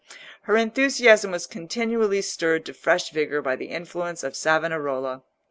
Her enthusiasm was continually stirred to fresh vigour by the influence of Savonarola.